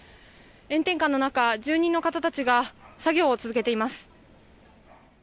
炎天下の中、住人の方たちが作業を続けています。